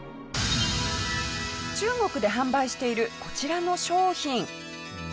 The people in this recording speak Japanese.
中国で販売しているこちらの商品。